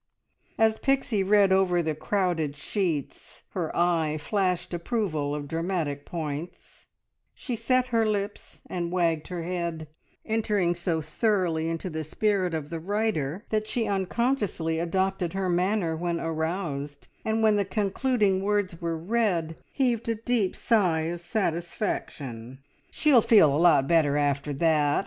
As Pixie read over the crowded sheets her eye flashed approval of dramatic points, she set her lips, and wagged her head, entering so thoroughly into the spirit of the writer that she unconsciously adopted her manner when aroused, and when the concluding words were read, heaved a deep sigh of satisfaction. "She'll feel a lot better after that!"